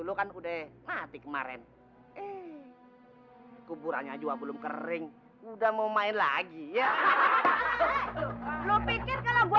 lo kan udah mati kemarin eh kuburannya juga belum kering udah mau main lagi ya lo pikir kalau gue